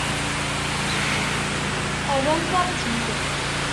Rrant-aɣ-tt-id.